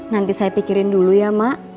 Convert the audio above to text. nanti saya pikirin dulu ya mak